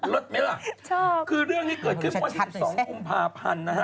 ลดไหมวะคือเรื่องนี้เกิดขึ้นวันที่๒๒องภาพันธุ์นะฮะ